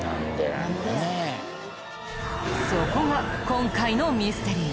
そこが今回のミステリー。